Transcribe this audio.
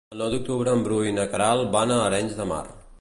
El nou d'octubre en Bru i na Queralt van a Arenys de Mar.